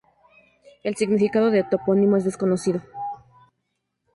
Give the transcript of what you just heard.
El significado del topónimo es desconocido.